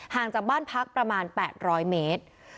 จากบ้านพักประมาณ๘๐๐เมตร